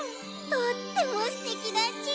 とってもすてきだち。